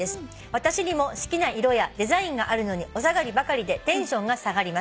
私にも好きな色やデザインがあるのにお下がりばかりでテンションが下がります」